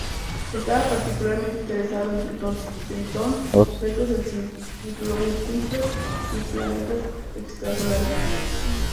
Estaba particularmente interesado en Plutón, Tritón, Objetos del Cinturón de Kuiper y planetas extrasolares.